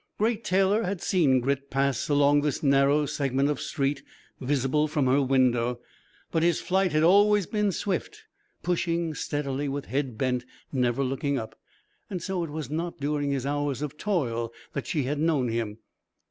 Great Taylor had seen Grit pass along this narrow segment of street, visible from her window; but his flight had always been swift pushing steadily with head bent, never looking up. And so it was not during his hours of toil that she had known him....